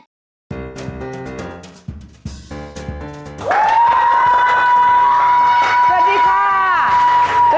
สวัสดีค่ะ